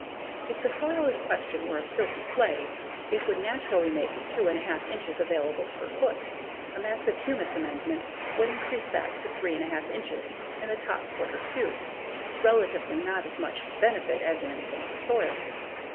If the soil in question were a silty clay, it would naturally make 2 1/2 inches available per foot. A massive humus amendment would increase that to 3 1/2 inches in the top foot or two, relatively not as much benefit as in sandy soil.